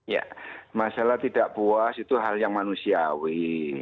ya masalah tidak puas itu hal yang manusiawi